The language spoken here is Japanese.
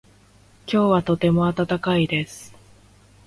今日はとても暖かいです。